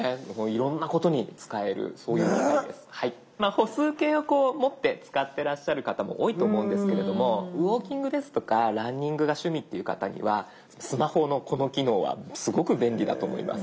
歩数計を持って使ってらっしゃる方も多いと思うんですけれどもウオーキングですとかランニングが趣味っていう方にはスマホのこの機能はすごく便利だと思います。